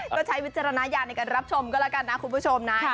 ก็ใช้วิจารณญาณในการรับชมก็แล้วกันนะคุณผู้ชมนะ